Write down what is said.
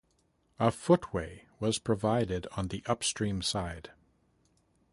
A footway was provided on the upstream side.